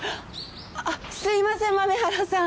すいません豆原さん。